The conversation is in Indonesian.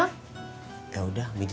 ambil aja kembaliannya